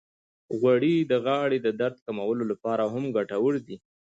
غوړې د غاړې د درد کمولو لپاره هم ګټورې دي.